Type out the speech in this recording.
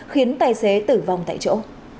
khiến tài xế tử vong tại chỗ